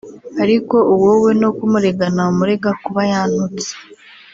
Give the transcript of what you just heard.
ariko uwo we no kumurega namurega kuba yantutse